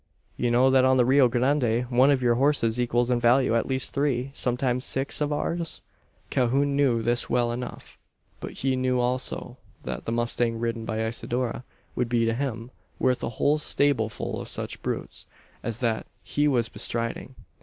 You know that on the Rio Grande one of your horses equals in value at least three, sometimes six, of ours?" Calhoun knew this well enough; but he knew also that the mustang ridden by Isidora would be to him worth a whole stableful of such brutes as that he was bestriding.